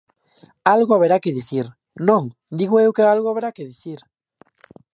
Algo haberá que dicir, non, digo eu que algo haberá que dicir.